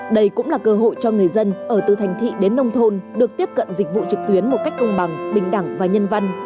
đây cũng là cơ hội cho người dân ở từ thành thị đến nông thôn được tiếp cận dịch vụ trực tuyến một cách công bằng bình đẳng và nhân văn